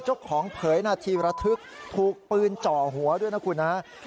จุดของเผยหน้าทีระทึกถูกปืนเจาะหัวด้วยนะครับ